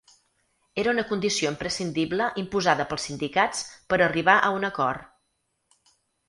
Era una condició imprescindible imposada pels sindicats per arribar a un acord.